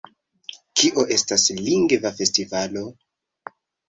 Kio estas Lingva Festivalo?